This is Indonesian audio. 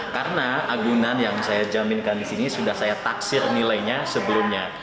karena agunan yang saya jamin disini sudah saya taksir nilainya sebelumnya